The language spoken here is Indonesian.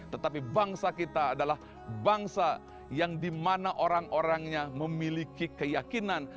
tetapi bangsa kita adalah bangsa yang dimana orang orangnya memiliki keyakinan